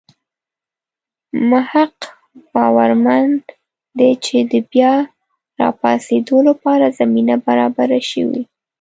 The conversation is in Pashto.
مح ق باورمن دی چې د بیا راپاڅېدو لپاره زمینه برابره شوې.